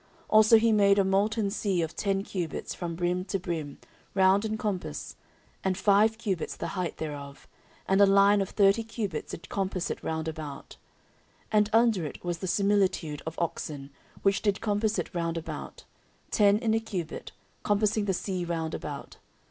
14:004:002 Also he made a molten sea of ten cubits from brim to brim, round in compass, and five cubits the height thereof; and a line of thirty cubits did compass it round about. 14:004:003 And under it was the similitude of oxen, which did compass it round about: ten in a cubit, compassing the sea round about.